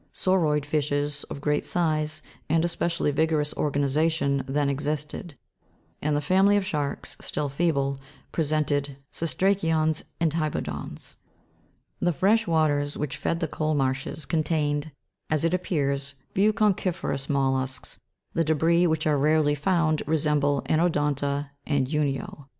Sauroid fishes, of great size, and of especially vigorous organization, then existed ; and the family of sharks, still feeble, presented cestra'cions and hybo dons (Jigs. 52, 53, p. 45). THE PENEAN AND VOSGEAN EPOCHS. 195 The fresh waters which fed the coal marshes contained, as it appears, few conchi'ferous mollusks ; the debris, which are rarely found, resemble anodonta and unio'.